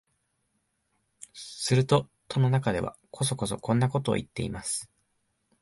すると戸の中では、こそこそこんなことを言っています